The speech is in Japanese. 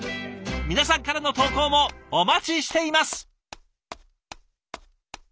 皆さんからの投稿もお待ちしています。